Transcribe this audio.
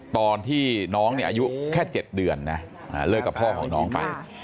ตอนที่น้องเนี่ยอายุแค่๗เดือนนะเลิกกับพ่อของน้องไป